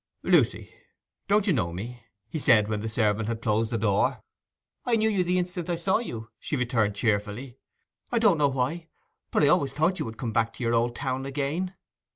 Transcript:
'Lucy, don't you know me?' he said, when the servant had closed the door. 'I knew you the instant I saw you!' she returned cheerfully. 'I don't know why, but I always thought you would come back to your old town again.